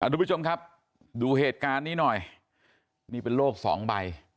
ทุกผู้ชมครับดูเหตุการณ์นี้หน่อยนี่เป็นโลกสองใบ